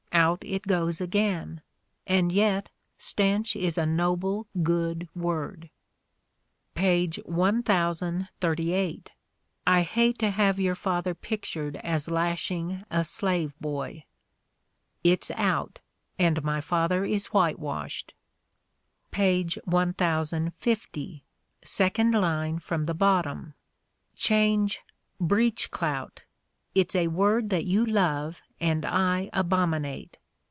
Out it goes again. And yet "stench" is a noble, good word. Page 1,038. I hate to have your father pictured as lashing a slave boy. It's out, and my father is whitewashed. Page 1,050, 2nd line from the bottom. Change "breech clout." It's a word that you love and I abominate.